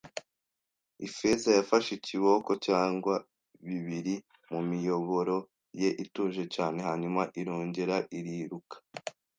Ifeza yafashe ikiboko cyangwa bibiri mu miyoboro ye ituje cyane hanyuma irongera iriruka.